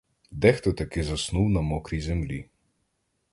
Дехто таки заснув на мокрій землі.